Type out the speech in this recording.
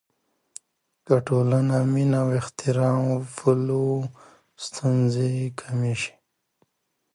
که ټولنه مینه او احترام وپلوي، ستونزې کمې شي.